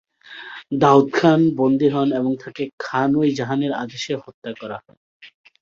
দাউদ খান বন্দি হন এবং তাকে খান-ই-জাহানের আদেশে হত্যা করা হয়।